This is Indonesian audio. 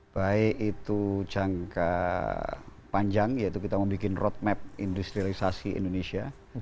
baik itu jangka panjang yaitu kita membuat roadmap industrialisasi indonesia